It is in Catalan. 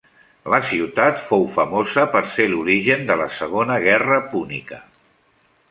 La ciutat fou famosa per ser l'origen de la Segona Guerra púnica.